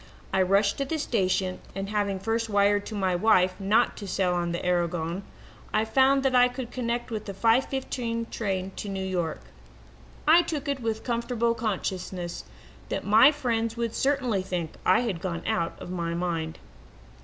I rushed to the station and, having first wired to my wife not to sail on the Aragon, I found that I could connect with the five fifteen train for New York. I took it with the comfortable consciousness that my friends would certainly think I had gone out of my mind.